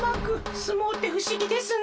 すもうってふしぎですね。